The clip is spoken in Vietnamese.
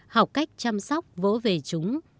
học cách chăm sóc vỗ về chúng